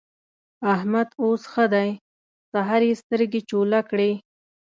احمد اوس ښه دی؛ سهار يې سترګې چوله کړې.